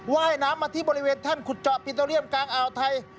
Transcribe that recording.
ว่ายน้ำมาที่บริเวณแท่นขุดเจาะปิโตเรียมกลางอ่าวไทย